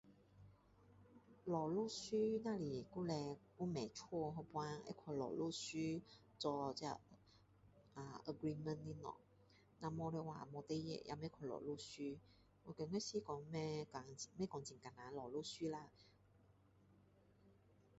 找律师只是以前有买屋子那个时候会去找律师做这个呃 agreement 的东西如果没有的话没事情也不会去找律师我觉得是说不会很难找律师啦